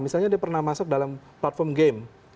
misalnya dia pernah masuk dalam platform game